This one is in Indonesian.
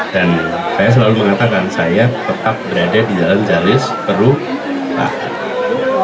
dan saya selalu mengatakan saya tetap berada di jalan jalis perubahan